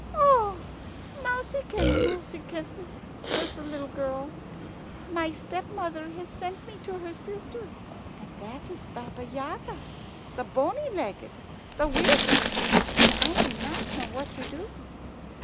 "O mouseykin, mouseykin," says the little girl, "my stepmother has sent me to her sister. And that is Baba Yaga, the bony legged, the witch, and I do not know what to do."